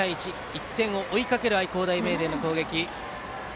１点を追いかける愛工大名電の攻撃です。